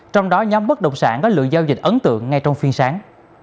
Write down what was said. trong đó nhóm bất động sản có lượng giao dịch ấn tượng ngay trong phiên sáng